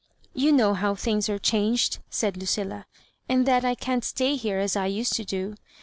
• "You know how things are changed, said Lucilla, "and that I can't stay here as I used to do.